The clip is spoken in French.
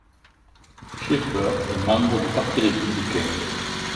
Shafer est membre du Parti républicain.